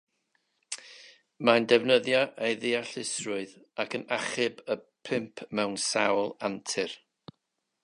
Mae'n defnyddio ei ddeallusrwydd ac yn achub y pump mewn sawl antur.